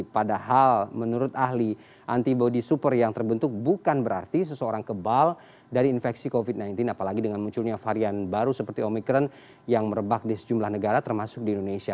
padahal menurut ahli antibody super yang terbentuk bukan berarti seseorang kebal dari infeksi covid sembilan belas apalagi dengan munculnya varian baru seperti omikron yang merebak di sejumlah negara termasuk di indonesia